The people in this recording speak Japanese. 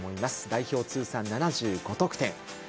代表通算７５得点。